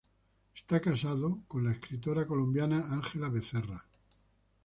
Está casado con la escritora colombiana Ángela Becerra.